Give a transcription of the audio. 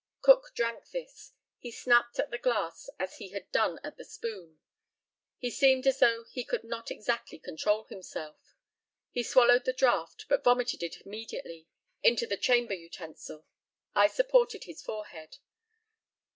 Cook drank this. He snapped at the glass as he had done at the spoon. He seemed as though he could not exactly control himself. He swallowed the draught, but vomited it immediately into the chamber utensil. I supported his forehead.